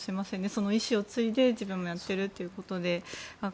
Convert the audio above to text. その遺志を継いで自分もやっているということで。